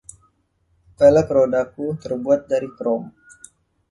Pelek rodaku terbuat dari krom.